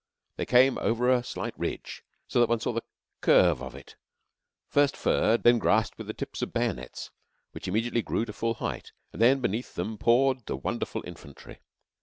They came over a slight ridge, so that one saw the curve of it first furred, then grassed, with the tips of bayonets, which immediately grew to full height, and then, beneath them, poured the wonderful infantry.